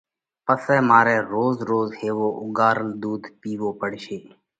پسئہ مارئہ روز روز هيوَو اُوڳارل ۮُوڌ پِيوو پڙشي۔